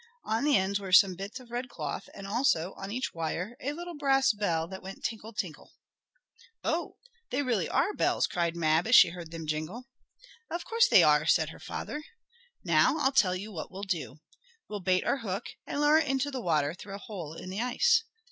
On the ends were some bits of red cloth, and also, on each wire, a little brass bell, that went "tinkle tinkle." "Oh, they are really bells!" cried Mab, as she heard them jingle. "Of course they are" said her father. "Now I'll tell you what we'll do. We'll bait our hook, and lower it into the water through a hole in the ice.